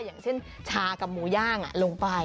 อย่างเช่นชากับหมูย่างลงไป